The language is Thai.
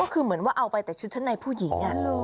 คือเหมือนว่าเอาไปแต่ชุดชั้นในผู้หญิง